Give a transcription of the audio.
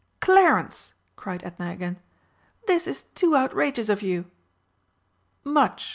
"Clarence!" cried Edna again. "This is too outrageous of you!" "Much!"